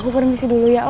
aku permisi dulu ya om